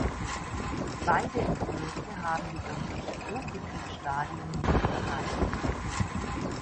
Beide Entwürfe haben jedoch das Prototyp-Stadium nicht erreicht.